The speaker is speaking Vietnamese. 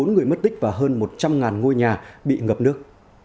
một mươi bốn người mất tích và hơn một trăm linh ngôi nhà bị ngập nước